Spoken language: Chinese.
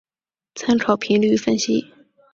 参考频率分析。